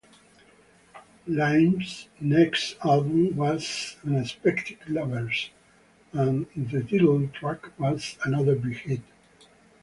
Lime's next album was "Unexpected Lovers" and the title track was another big hit.